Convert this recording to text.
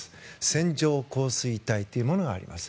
線状降水帯というものがあります。